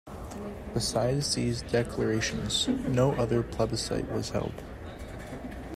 Besides these declarations, no other plebiscite was held.